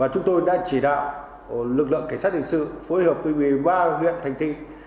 và chúng tôi đã chỉ đạo lực lượng cảnh sát hình sự phối hợp với ba huyện thành thị